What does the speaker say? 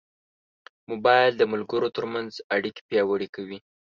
موبایل د ملګرو ترمنځ اړیکې پیاوړې کوي.